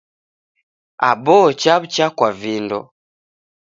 Aboo chaw'ucha kwa vindo.